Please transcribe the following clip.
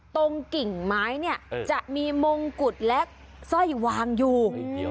กิ่งไม้เนี่ยจะมีมงกุฎและสร้อยวางอยู่